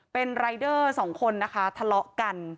เป็นรายเดอร์สองคนนะคะทะเลาะกัน